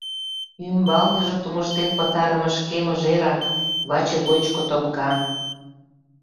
Ӱмбалныже тумыштен пытарыме шке мыжерак, ваче гоч котомка.